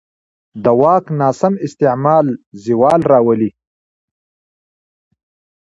د واک ناسم استعمال زوال راولي